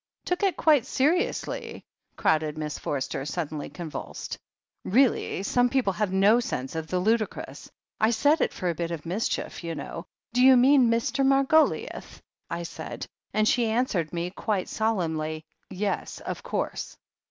"Took it quite seriously," crowed Miss Forster, sud denly convulsed. "Really, some people have no sense of the ludicrous. I said it for a bit of mischief, you know. 'Do you mean Mr. Margoliouth?' I said — ^and she answered me quite solemnly, 'Yes, of course.'